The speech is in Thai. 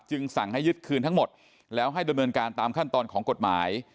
สั่งให้ยึดคืนทั้งหมดแล้วให้ดำเนินการตามขั้นตอนของกฎหมาย